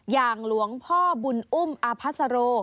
อย่างหลวงพ่อบุญอุ้มอภัสโร